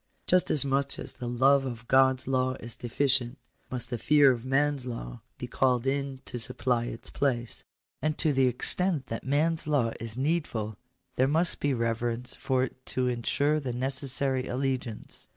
Just as much as the love of God's law is deficient, must the fear of man's law be called in to supply its place. And to the extent that man's law is needful there must be reverence for it to ensure the necessary allegiance.